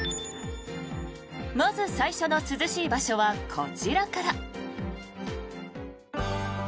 まず最初の涼しい場所はこちらから。